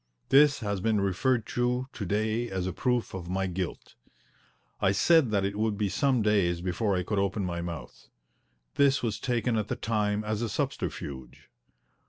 This has been referred to to day as a proof of my guilt. I said that it would be some days before I could open my mouth. This was taken at the time as a subterfuge.